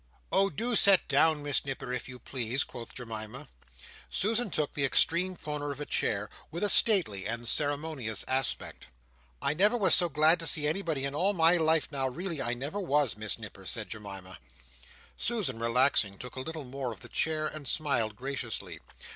"Oh do sit down, Miss Nipper, if you please," quoth Jemima. Susan took the extreme corner of a chair, with a stately and ceremonious aspect. "I never was so glad to see anybody in all my life; now really I never was, Miss Nipper," said Jemima. Susan relaxing, took a little more of the chair, and smiled graciously.